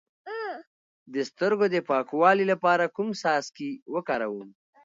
د سترګو د پاکوالي لپاره کوم څاڅکي وکاروم؟